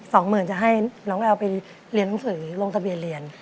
สองหมื่นจะให้น้องแอลไปเรียนหนังสือลงทะเบียนเรียน